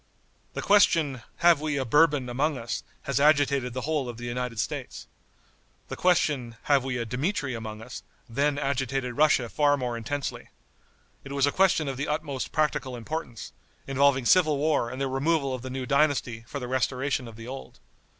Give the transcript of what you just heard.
The question, "Have we a Bourbon among us?" has agitated the whole of the United States. The question, "Have we a Dmitri among us?" then agitated Russia far more intensely. It was a question of the utmost practical importance, involving civil war and the removal of the new dynasty for the restoration of the old.